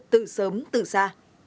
từ sớm từ xa